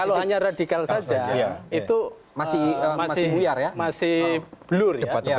kalau hanya radikal saja itu masih blur ya